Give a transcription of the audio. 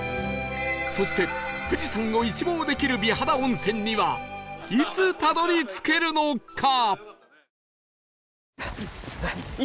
そして富士山を一望できる美肌温泉にはいつたどり着けるのか？